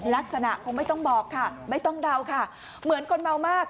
ลักษณะคงไม่ต้องบอกค่ะไม่ต้องเดาค่ะเหมือนคนเมามาก